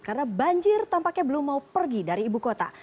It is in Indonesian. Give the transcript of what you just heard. karena banjir tampaknya belum mau pergi dari ibu kota